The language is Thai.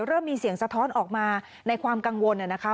เริ่มมีเสียงสะท้อนออกมาในความกังวลนะคะ